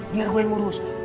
biar gue yang ngurus